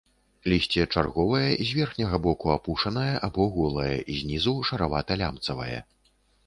Лісце чарговае, з верхняга боку апушанае або голае, знізу шаравата-лямцавае.